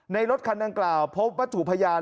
รถคันดังกล่าวพบวัตถุพยาน